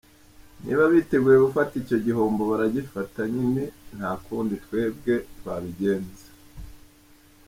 Niba biteguye gufata icyo gihombo baragifata nyine nta kundi twebwe twabigenza.